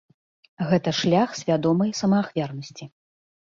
Гэта шлях свядомай самаахвярнасці.